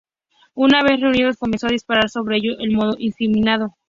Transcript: Una vez reunidos comenzó a disparar sobre ellos de modo indiscriminado.